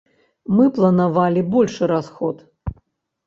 Мы планавалі большы расход.